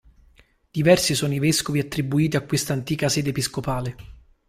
Diversi sono i vescovi attribuiti a questa antica sede episcopale.